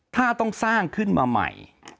ถ้าต้องสร้างขึ้นมาใหม่